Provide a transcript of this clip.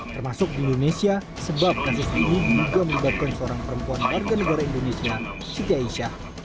termasuk di indonesia sebab kasus ini juga melibatkan seorang perempuan warga negara indonesia siti aisyah